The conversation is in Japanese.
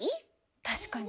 確かに。